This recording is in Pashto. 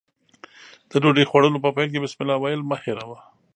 د ډوډۍ خوړلو په پیل کې بسمالله ويل مه هېروه.